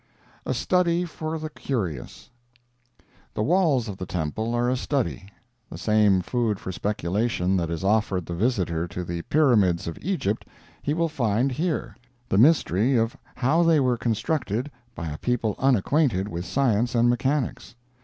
A STUDY FOR THE CURIOUS The walls of the temple are a study. The same food for speculation that is offered the visitor to the Pyramids of Egypt he will find here—the mystery of how they were constructed by a people unacquainted with science and mechanics.